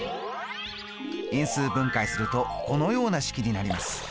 因数分解するとこのような式になります。